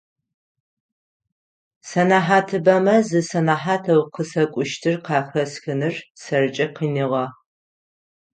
Сэнэхьатыбэмэ зы сэнэхьатэу къысэкӏущтыр къахэсхыныр сэркӏэ къиныгъэ.